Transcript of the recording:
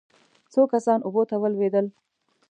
څو کسان اوبو ته ولوېدل.